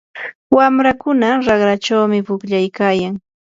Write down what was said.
wamrakuna raqrachawmi pukllaykayan.